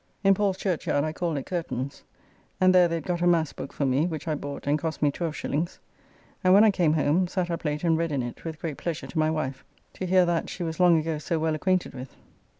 In Paul's church yard I called at Kirton's, and there they had got a mass book for me, which I bought and cost me twelve shillings; and, when I came home, sat up late and read in it with great pleasure to my wife, to hear that she was long ago so well acquainted with.